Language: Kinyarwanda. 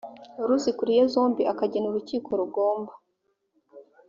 ruzikuriye zombi akagena urukiko rugomba